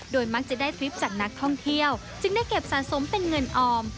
มักจะได้ทริปจากนักท่องเที่ยวจึงได้เก็บสะสมเป็นเงินออม